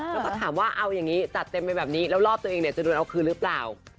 แล้วก็ถามว่าเอาอย่างนี้จัดเต็มไปแบบนี้แล้วรอบตัวเองเนี่ยจะโดนเอาคืนหรือเปล่า